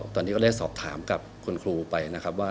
ตอนนี้ก็ได้สอบถามกับคุณครูไป